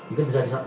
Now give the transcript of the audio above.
itu bisa dilihat